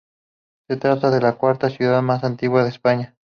Se trata de la cuarta ciudad más antigua de España.